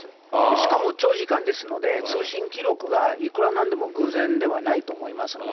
しかも長時間ですので、通信記録がいくらなんでも偶然ではないと思いますので。